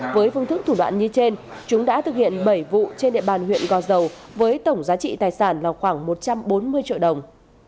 với phương thức thủ đoạn như trên chúng đã thực hiện bảy vụ trên địa bàn huyện gò dầu với tổng giá trị tài sản là khoảng một trăm bốn mươi triệu đồng